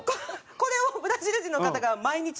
これをブラジル人の方が毎日やってました。